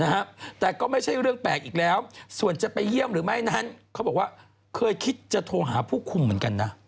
นะฮะแต่ก็ไม่ใช่เรื่องแปลกอีกแล้วส่วนจะไปเยี่ยมหรือไม่นั้นเขาบอกว่าเคยคิดจะโทรหาผู้คุมเหมือนกันนะ